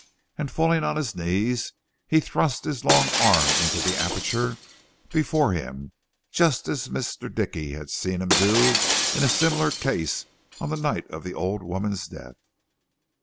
And falling on his knees he thrust his long arm into the aperture before him, just as Mr. Dickey had seen him do in a similar case on the night of the old woman's death.